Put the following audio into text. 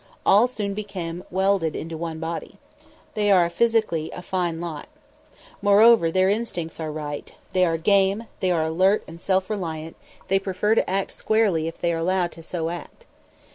All soon become welded into one body. They are physically a fine lot. Moreover, their instincts are right; they are game, they are alert and self reliant, they prefer to act squarely if they are allowed so to act.